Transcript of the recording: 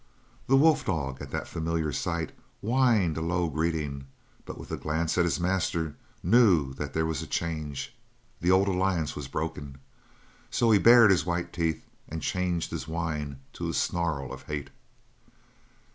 The wolf dog, at that familiar sight, whined a low greeting, but with a glance at his master knew that there was a change the old alliance was broken so he bared his white teeth and changed his whine to a snarl of hate.